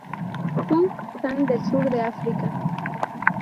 Kung San del Sur de África.